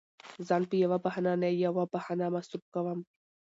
ځان په يوه بهانه نه يوه بهانه مصروف کوم.